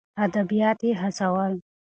اديبان يې هڅول.